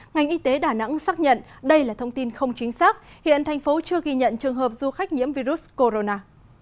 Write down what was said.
ngành y tế đà nẵng xác nhận đây là thông tin không chính xác hiện thành phố chưa ghi nhận trường hợp du khách nhiễm virus corona